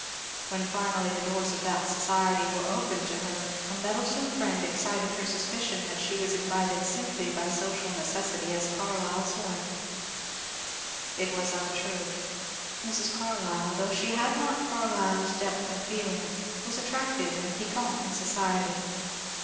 When finally the doors of that society were opened to her a meddlesome friend excited her suspicion that she was invited simply by social necessity as Carlyle's wife. It was untrue ; Mrs. Carlyle, though she had not Carlyle's depth of feeling, was attractive and piquant in society.